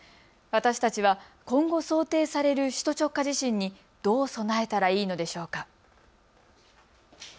私たちは今後想定される首都直下地震にどう備えたらいいのでしょうか。